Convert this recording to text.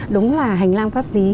đúng là hành lang pháp lý